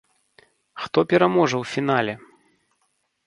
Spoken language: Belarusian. Хто пераможа ў фінале?